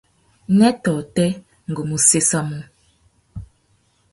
Nhêê tôtê, ngu mú séssamú.